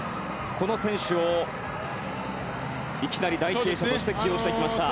この選手をいきなり第１泳者として起用してきました。